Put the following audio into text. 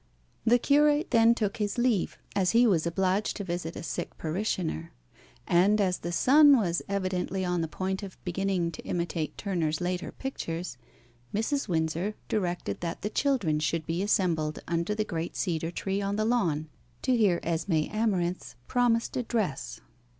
The curate then took his leave, as he was obliged to visit a sick parishioner, and, as the sun was evidently on the point of beginning to imitate Turner's later pictures, Mrs. Windsor directed that the children should be assembled under the great cedar tree on the lawn, to hear Esmé Amarinth's promised address.